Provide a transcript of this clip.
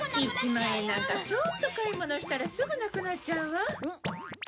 １万円なんかちょっと買い物したらすぐなくなっちゃうわ。